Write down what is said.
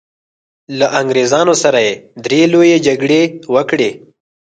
له انګریزانو سره یې درې لويې جګړې وکړې.